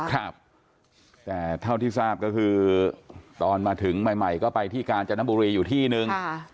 ครับแต่เท่าที่ทราบก็คือตอนมาถึงใหม่ก็ไปที่กาญจนบุรีอยู่ที่นึง